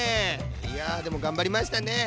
いやでもがんばりましたね。